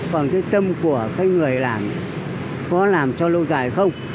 còn cái tâm của cái người làm có làm cho lâu dài không